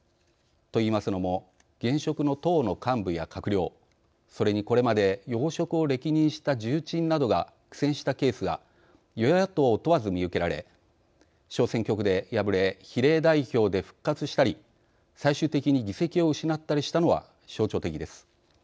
といいますのも現職の党の幹部や閣僚それに、これまで要職を歴任した重鎮などが苦戦したケースが与野党を問わず見受けられ小選挙区で敗れ比例代表で復活したり最終的に議席を失ったりしたのは象徴的です。